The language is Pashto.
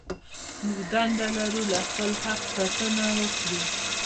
موږ دنده لرو له خپل حق ساتنه وکړو.